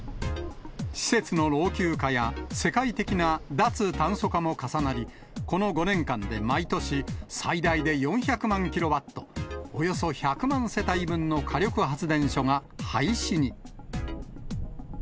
施設の老朽化や、世界的な脱炭素化も重なり、この５年間で毎年最大で４００万キロワット、およそ１００万世帯分の火力発電所が廃止に。